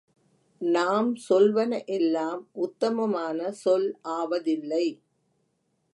நாம் சொல்வன எல்லாம் உத்தமமான சொல் ஆவதில்லை.